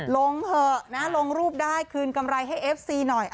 เถอะนะลงรูปได้คืนกำไรให้เอฟซีหน่อย